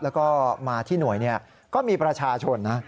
แล้วก็มาที่หน่วยก็มีประชาชนนะ